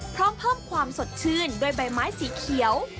พร้อมเพิ่มความสดชื่นด้วยใบไม้สีเขียว